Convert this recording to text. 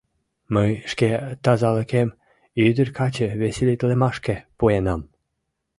— Мый шке тазалыкем ӱдыр-каче веселитлымашке пуэнам.